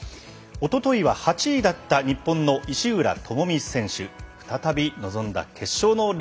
おとといは８位だった日本の石浦智美選手。